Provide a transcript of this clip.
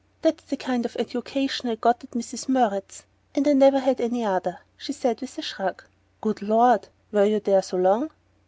"That's the kind of education I got at Mrs. Murrett's and I never had any other," she said with a shrug. "Good Lord were you there so long?"